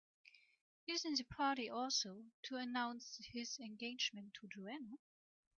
Isn't the party also to announce his engagement to Joanna?